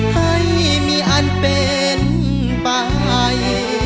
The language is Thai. ให้มีอันเป็นปลาย